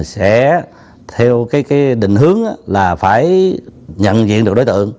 sẽ theo cái định hướng là phải nhận diện được đối tượng